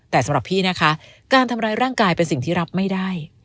แต่สำหรับพี่นะคะการทำร้ายร่างกายเป็นสิ่งที่รับไม่ได้